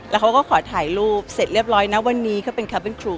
แล้วเขาก็ขอถ่ายรูปเสร็จเรียบร้อยนะวันนี้เขาเป็นคาร์เป็นครู